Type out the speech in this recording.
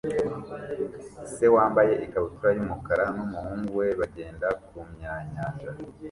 Se wambaye ikabutura yumukara numuhungu we bagenda kumyanyanja